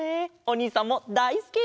おにいさんもだいすき！